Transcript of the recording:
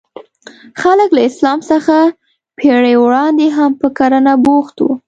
خلک له اسلام څخه پېړۍ وړاندې هم په کرنه بوخت وو.